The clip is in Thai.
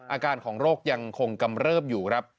อาการของโรคยังคงกำเริบอยู่ครับ